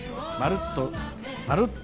「まるっと！」